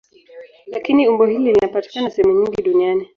Lakini umbo hili linapatikana sehemu nyingi duniani.